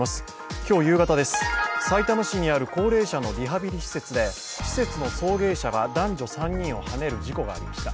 今日夕方、さいたま市にある高齢者のリハビリ施設で施設の送迎車が男女３人をはねる事故がありました。